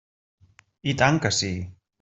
I tant que sí!